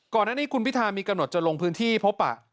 ก่อนหน้านี้คุณพิธามีกำหนดจะลงพื้นที่พบปะ